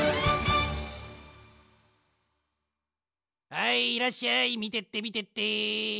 はいいらっしゃいみてってみてって。